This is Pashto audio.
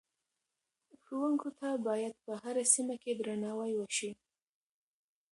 ښوونکو ته باید په هره سیمه کې درناوی وشي.